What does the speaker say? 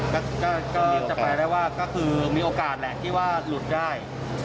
ก็จะแปลว่ามีโอกาสแหละที่ว่าหลุดได้